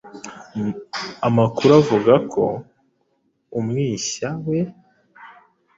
Amakuru avuga ko umwishya we,